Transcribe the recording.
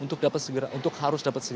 untuk harus dapat segera